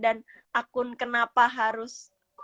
dan akun kenapa harus